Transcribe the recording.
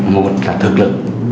một là thực lực